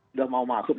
sudah mau masuk